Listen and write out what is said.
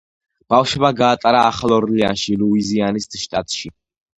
ბავშვობა გაატარა ახალ ორლეანში, ლუიზიანის შტატში.